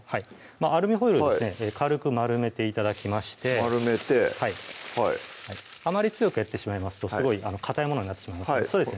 アルミホイルをですね軽く丸めて頂きまして丸めてはいあまり強くやってしまいますとすごいかたいものになってしまいますのでそうですね